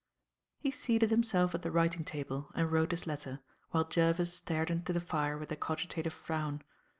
He seated himself at the writing table and wrote his letter, while Jervis stared into the fire with a cogitative frown.